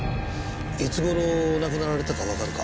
いつ頃亡くなられたかわかるか？